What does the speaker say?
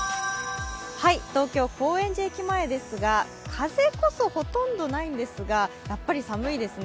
東京・高円寺駅前ですが、風こそほとんどないんですが、やっぱり寒いですね。